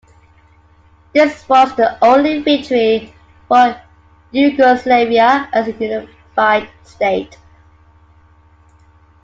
This was the only victory for Yugoslavia as a unified state.